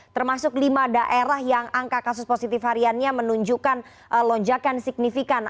termasuk lima daerah yang angka kasus positif hariannya menunjukkan lonjakan signifikan